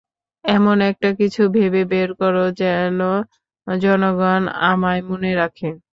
এমন একটা কিছু ভেবে বের করো, যেন জনগণ আমায় মনে রাখে।